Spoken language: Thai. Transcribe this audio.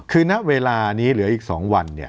คือนะเวลานี้เหลืออีกสองวันเนี่ย